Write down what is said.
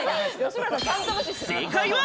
正解は。